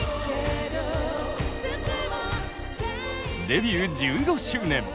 デビュー１５周年